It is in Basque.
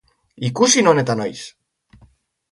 Ikusi non eta noiz!